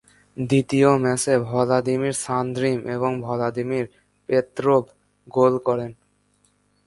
দ্বিতীয় ম্যাচে Vladimir Shadrin এবং ভ্লাদিমির পেত্রোভ গোল করেন।